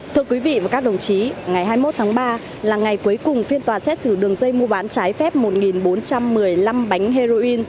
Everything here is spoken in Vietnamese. thưa quý vị và các đồng chí ngày hai mươi một tháng ba là ngày cuối cùng phiên tòa xét xử đường dây mua bán trái phép một bốn trăm một mươi năm bánh heroin